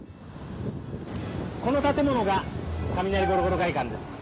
この建物が、雷５６５６会館です。